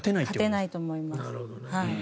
勝てないと思います。